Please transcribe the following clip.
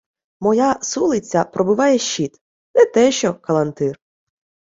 — Моя сулиця пробиває щит, не те що калантир.